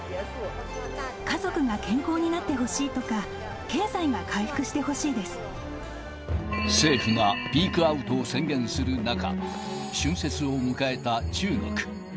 家族が健康になってほしいと政府がピークアウトを宣言する中、春節を迎えた中国。